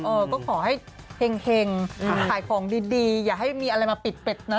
เออก็ขอให้เห็งขายของดีอย่าให้มีอะไรมาปิดเป็ดนะ